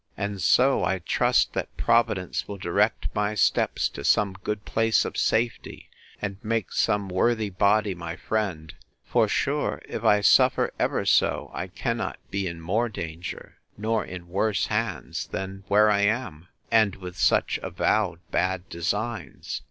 And so I trust, that Providence will direct my steps to some good place of safety, and make some worthy body my friend; for sure, if I suffer ever so, I cannot be in more danger, nor in worse hands, than where I am; and with such avowed bad designs.